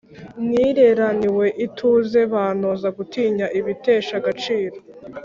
Nireraniwe ituze Bantoza gutinya Ibitesha agaciro